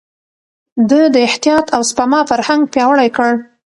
ده د احتياط او سپما فرهنګ پياوړی کړ.